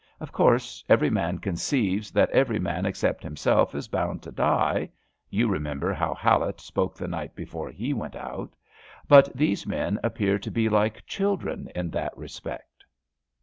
Of course, every man conceives that every man except him self is bound to die (you remember how Hallatt spoke the night before he went out), but these men appear to be like children in that respect.